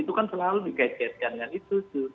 itu kan selalu dikaitkan dengan itu